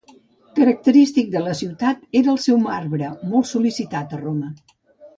Característic de la ciutat era el seu marbre, molt sol·licitat a Roma.